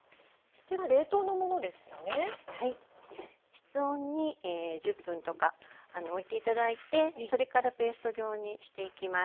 室温に１０分とかおいて頂いてそれからペースト状にしていきます。